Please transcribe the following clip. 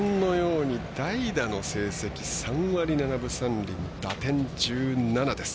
代打の成績３割７分３厘、打点１７です。